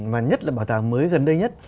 mà nhất là bảo tàng mới gần đây nhất